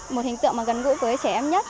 một hình tượng gần gũi với trẻ em